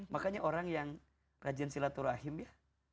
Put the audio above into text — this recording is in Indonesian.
makanya orang yang rajin silaturahim ya